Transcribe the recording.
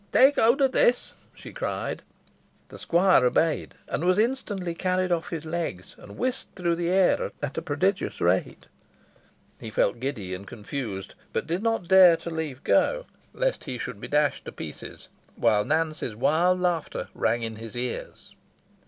"Tak howld o' this," she cried. The squire obeyed, and was instantly carried off his legs, and whisked through the air at a prodigious rate. He felt giddy and confused, but did not dare to leave go, lest he should be dashed in pieces, while Nance's wild laughter rang in his ears.